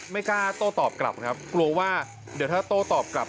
ไม่กล้าโต้ตอบกลับครับกลัวว่าเดี๋ยวถ้าโต้ตอบกลับ